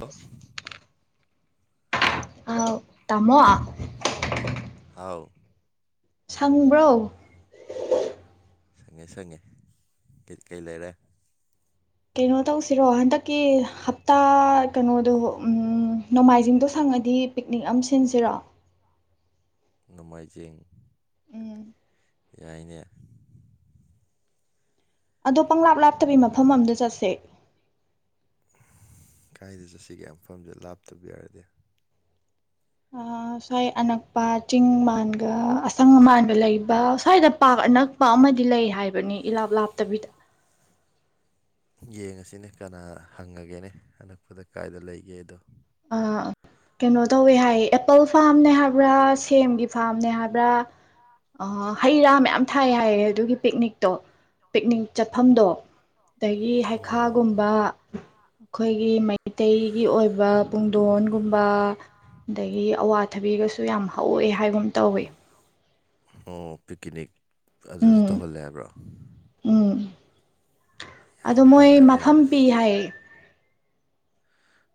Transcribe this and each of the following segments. hello ꯑ ꯇꯃꯣ ꯍꯥꯎ ꯁꯪꯕ꯭ꯔꯣ ꯁꯪꯉꯦ ꯁꯪꯉꯦ ꯀꯩꯀꯩ ꯂꯩꯔꯦ ꯀꯩꯅꯣ ꯇꯧꯁꯤꯔꯣ ꯍꯟꯗꯛꯀꯤ ꯍꯞꯇꯥ ꯀꯩꯅꯣꯗꯣ ꯅꯣꯡꯃꯥꯏꯖꯤꯡꯗꯣ ꯁꯪꯉꯗꯤ ꯄꯤꯛꯅꯤꯛ ꯑꯃ ꯁꯤꯟꯁꯤꯔꯣ ꯅꯣꯡꯃꯥꯏꯖꯤꯡ ꯎꯝ ꯌꯥꯏꯅꯦ ꯑꯗꯣ ꯄꯪꯂꯥꯞ ꯂꯥꯞꯇꯕꯤꯒꯤ ꯃꯐꯝ ꯑꯝꯗ ꯆꯠꯁꯦ ꯀꯥꯏꯗ ꯆꯠꯁꯤꯒꯤꯐꯝꯁꯦ ꯂꯥꯞꯇꯕ ꯌꯥꯔꯗꯤ ꯁ꯭ꯋꯥꯏ ꯑꯅꯛꯄ ꯆꯤꯡ ꯃꯥꯟꯒ ꯑꯁꯪ ꯑꯃꯥꯟꯒ ꯂꯩꯕ ꯁ꯭ꯋꯥꯏꯗ ꯄꯥꯛ ꯑꯅꯛꯄ ꯑꯃꯗꯤ ꯂꯩ ꯍꯥꯏꯕꯅꯤ ꯏꯂꯥꯞ ꯂꯥꯞꯇꯕꯤꯗ ꯌꯦꯡꯉꯁꯤꯅꯦ ꯀꯅꯥ ꯍꯪꯉꯒꯦꯅꯦ ꯑꯅꯛꯄꯗ ꯀꯥꯏꯗ ꯂꯩꯒꯦꯗꯣ ꯀꯩꯅꯣ ꯇꯧꯋꯦ ꯍꯥꯏꯌꯦ ꯑꯦꯄꯜ ꯐꯥꯝꯅꯦ ꯍꯥꯏꯕ꯭ꯔꯥ ꯁꯦꯝꯒꯤ ꯐꯥꯔꯝꯅꯦ ꯍꯥꯏꯕ꯭ꯔꯥ ꯍꯩ ꯔꯥ ꯃꯌꯥꯝ ꯊꯥꯏ ꯍꯥꯏꯌꯦ ꯑꯗꯨꯒꯤ ꯄꯤꯛꯅꯤꯛꯇꯣ ꯄꯤꯛꯅꯤꯛ ꯆꯠꯐꯝꯗꯣ ꯑꯗꯒꯤ ꯑꯣ ꯍꯩꯈꯥꯒꯨꯝꯕ ꯑꯩꯈꯣꯏꯒꯤ ꯃꯩꯇꯩ ꯒꯤ ꯑꯣꯏꯕ ꯄꯨꯇꯣꯟꯒꯨꯝꯕ ꯑꯗꯒꯤ ꯑꯋꯥꯊꯕꯤꯒꯁꯨ ꯌꯥꯝ ꯍꯧꯋꯦ ꯍꯥꯏꯕꯨꯝ ꯇꯧꯋꯤ ꯑꯣ ꯄꯤꯛꯅꯤꯛ ꯑꯗꯨꯗ ꯎꯝ ꯇꯧꯍꯜꯂꯦ ꯍꯥꯏꯕ꯭ꯔꯣ ꯑꯣ ꯑꯩꯅ ꯃꯣꯏ ꯍꯪꯉꯁꯤ ꯃꯐꯝ ꯍꯪꯉꯁꯤ ꯄꯤ ꯍꯥꯏ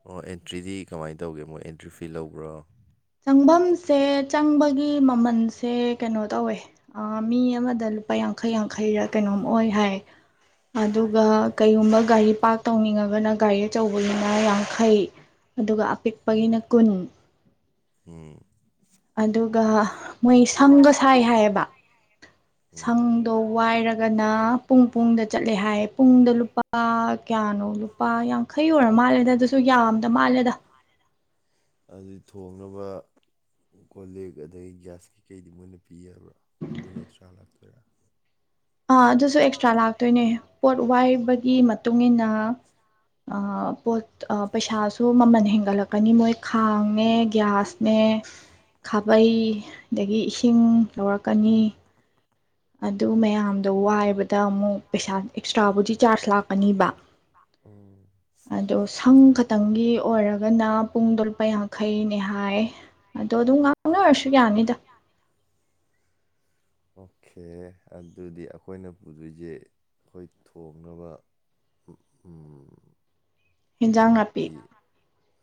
ꯑꯣ ꯑꯦꯟꯇ꯭ꯔꯤꯗꯤ ꯀꯃꯥꯏꯅ ꯇꯧꯒꯦ ꯃꯣꯏ ꯑꯦꯟꯇ꯭ꯔꯤ ꯐꯤ ꯂꯧꯕ꯭ꯔꯣ ꯆꯨꯡꯐꯝꯁꯦ ꯆꯪꯕꯒꯤ ꯃꯃꯜꯁꯦ ꯀꯩꯅꯣ ꯇꯧꯋꯦ ꯃꯤ ꯑꯃꯗ ꯂꯨꯄꯥ ꯌꯥꯡꯈꯩ ꯌꯥꯡꯈꯩꯔ ꯀꯩꯅꯣꯝ ꯑꯣꯏ ꯍꯥꯏ ꯑꯗꯨꯒ ꯀꯩꯒꯨꯝꯕ ꯒꯥꯔꯤ ꯄꯥꯔꯛ ꯇꯧꯅꯤꯡꯉꯒꯅ ꯒꯥꯔꯤ ꯑꯆꯧꯕꯅꯤꯅ ꯌꯥꯡꯈꯩ ꯑꯗꯨꯒ ꯎꯝ ꯑꯄꯤꯛꯄꯒꯤꯅ ꯀꯨꯟ ꯎꯝ ꯑꯗꯨꯒ ꯃꯣꯏ ꯁꯪꯒ ꯁꯥꯏ ꯍꯥꯏꯌꯦꯕ ꯎꯝ ꯁꯪꯗꯧ ꯋꯥꯏꯔꯒꯅ ꯄꯨꯡ ꯄꯨꯡꯗ ꯆꯠꯂꯦ ꯍꯥꯏꯌꯦ ꯄꯨꯡꯗ ꯂꯨꯄꯥ ꯀꯌꯥꯅꯣ ꯂꯨꯄꯥ ꯌꯥꯡꯈꯩ ꯑꯣꯏꯔ ꯃꯥꯜꯂꯦꯗ ꯑꯗꯨꯁꯨ ꯌꯥꯝꯗ ꯃꯥꯜꯂꯦꯗ ꯑꯗꯨ ꯊꯣꯡꯅꯕ ꯀꯣ ꯂꯤꯛ ꯑꯗꯒꯤ ꯒ꯭ꯌꯥꯁ ꯀꯩꯀꯩꯗꯤ ꯃꯣꯏꯅ ꯄꯤ ꯄꯤꯕ꯭ꯔꯥ ꯑꯗꯨꯅ ꯑꯦꯛꯁꯇ꯭ꯔꯥ ꯂꯥꯛꯄꯤ ꯑꯥ ꯑꯗꯨꯁꯨ ꯑꯦꯛꯁꯇ꯭ꯔꯥ ꯂꯥꯛꯇꯣꯏꯅꯦ ꯄꯣꯠ ꯋꯥꯏꯕ ꯒꯤ ꯃꯇꯨꯡ ꯏꯟꯅ ꯄꯣꯠ ꯄꯩꯁꯥꯁꯨ ꯃꯃꯜ ꯍꯦꯟꯒꯠꯂꯛꯀꯅꯤ ꯃꯣꯏ ꯈꯥꯡꯅꯦ ꯒ꯭ꯌꯥꯁꯅꯦ ꯈꯥꯕꯩ ꯑꯗꯒꯤ ꯏꯁꯤꯡ ꯂꯧꯔꯛꯀꯅꯤ ꯑꯗꯨ ꯃꯌꯥꯝꯗꯣ ꯋꯥꯏꯕꯗ ꯑꯃꯨꯛ ꯄꯩꯁꯥ ꯑꯦꯛꯁꯇ꯭ꯔꯥꯕꯨꯗꯤ ꯆꯥꯔꯖ ꯂꯥꯛꯀꯅꯤꯕ ꯎꯝ ꯑꯗꯣ ꯁꯪꯈꯛ ꯉꯥꯛꯇꯪꯒꯤ ꯑꯣꯏꯔꯒꯅ ꯄꯨꯡꯗꯣ ꯂꯨꯄꯥ ꯌꯥꯡꯈꯩꯅꯦ ꯍꯥꯏ ꯑꯗꯣ ꯑꯗꯨꯝ ꯑꯉ ꯑꯣꯏꯔꯁꯨꯒꯌꯥꯅꯤꯗ ꯑꯣꯀꯦ ꯑꯗꯨꯗꯤ ꯑꯩꯈꯣꯏꯅ ꯄꯨꯗꯣꯏꯁꯦ ꯑꯩꯈꯣꯏ ꯊꯣꯡꯅꯕ ꯏꯟꯖꯥꯡ ꯅꯥꯄꯤ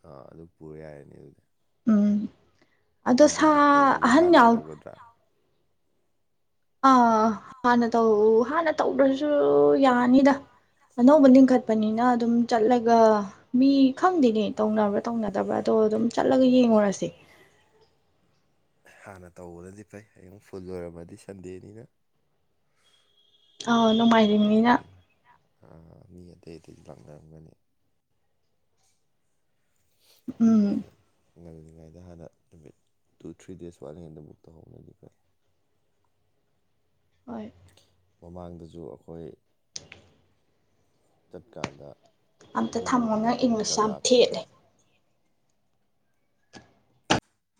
ꯑꯥ ꯑꯗꯨ ꯄꯨꯔ ꯌꯥꯔꯅꯤ ꯑꯗꯨꯗꯤ ꯎꯝ ꯑꯗꯣ ꯑꯗꯨꯗꯤ ꯁꯥ ꯕꯨꯛ ꯇꯧꯕꯁꯦ ꯑꯍꯟ ꯍꯥꯟꯅ ꯌꯥꯎ ꯇꯧꯒꯗ꯭ꯔꯥ ꯑꯥ ꯍꯥꯟꯅ ꯇꯧ ꯍꯥꯟꯅ ꯇꯧꯗ꯭ꯔꯁꯨ ꯌꯥꯅꯤꯗ ꯑꯅꯧꯕ ꯂꯤꯡꯈꯠꯄꯅꯤꯅ ꯑꯗꯨꯝ ꯆꯠꯂꯒ ꯃꯤ ꯈꯪꯗꯦꯅꯦ ꯇꯧꯅꯕ꯭ꯔꯥ ꯇꯧꯅꯗꯕ꯭ꯔꯥ ꯑꯗꯣ ꯑꯗꯨꯝ ꯆꯠꯂꯒ ꯌꯦꯡꯉꯨꯔꯁꯦ ꯍꯥꯟꯅ ꯇꯧꯕꯅꯗꯤ ꯐꯩ ꯑꯩꯨꯛ ꯐꯨꯜ ꯂꯣꯏꯔꯝꯃꯗꯤ ꯁꯟꯗꯦꯅꯤꯅ ꯑꯥ ꯍꯥꯟꯅ ꯅꯣꯡꯃꯥꯏꯖꯥꯡꯅꯤꯅ ꯇꯧꯕꯅꯤ ꯑꯥ ꯃꯤ ꯑꯇꯩ ꯑꯇꯩꯗꯤ ꯂꯥꯛꯅꯔꯝꯒꯅꯤ ꯎꯝ ꯇꯉꯩꯗ ꯍꯥꯟꯅ ꯅꯨꯃꯤꯠ ꯇꯨ ꯊ꯭ꯔꯤ ꯗꯦꯖ ꯋꯥꯠ ꯍꯦꯟꯗ ꯕꯨꯛ ꯇꯧꯍꯧꯅꯗꯤ ꯐꯩ ꯍꯣꯏ ꯃꯃꯥꯡꯗꯁꯨ ꯑꯩꯈꯣꯏ ꯆꯠꯀꯥꯟꯗ ꯑꯝꯇ ꯑꯗꯨꯅ ꯊꯝꯃꯣ ꯃꯐꯝ ꯅꯪ ꯑꯇꯣꯞꯄꯅ ꯏꯪꯂꯤꯁ ꯈꯔ ꯌꯥꯝ ꯂꯥꯞꯄꯤ ꯊꯦꯠꯂꯦ